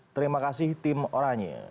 terima kasih tim oranye